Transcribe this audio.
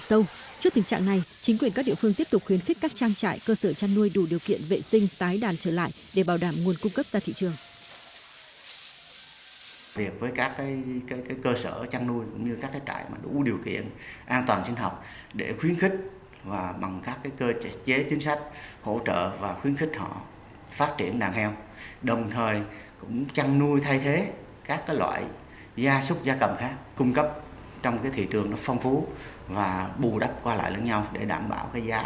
trước tình trạng này chính quyền các địa phương tiếp tục khuyến khích các trang trại cơ sở chăn nuôi đủ điều kiện vệ sinh tái đàn trở lại để bảo đảm nguồn cung cấp ra thị trường